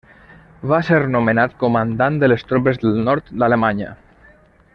Va ser nomenat comandant de les tropes del nord d'Alemanya.